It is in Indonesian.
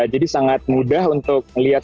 jadi sangat mudah untuk melihat